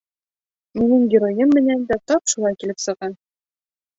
Минең геройым менән дә тап шулай килеп сыға.